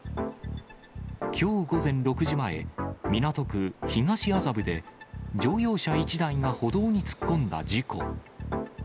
きょう午前６時前、港区東麻布で乗用車１台が歩道に突っ込んだ事故。